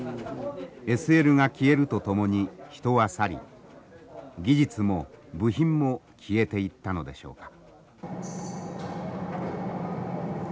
ＳＬが消えるとともに人は去り技術も部品も消えていったのでしょうか。